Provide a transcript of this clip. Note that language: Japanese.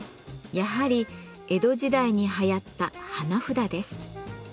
やはり江戸時代にはやった花札です。